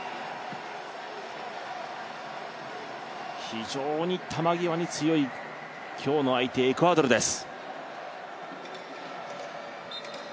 非常に球際に強い今日の相手、エクアドルです。